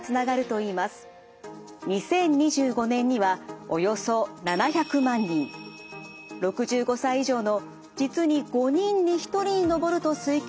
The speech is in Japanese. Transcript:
２０２５年にはおよそ７００万人６５歳以上の実に５人に１人に上ると推計される認知症。